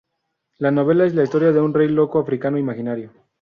La novela es la historia de un rey loco africano imaginario.